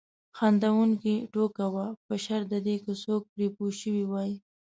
خندونکې ټوکه وه په شرط د دې که څوک پرې پوه شوي وای.